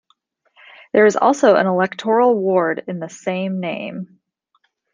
There is also an electoral ward in the same name.